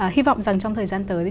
hy vọng rằng trong thời gian tới